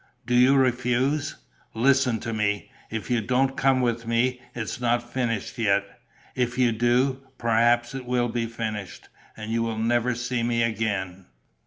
Do you refuse? Listen to me: if you don't come with me, it's not finished yet. If you do, perhaps it will be finished ... and you will never see me again."